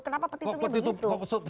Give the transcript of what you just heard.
kenapa petitumnya begitu